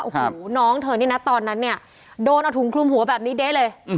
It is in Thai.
โอ้โหน้องเธอนี่นะตอนนั้นเนี่ยโดนเอาถุงคลุมหัวแบบนี้เด๊ะเลย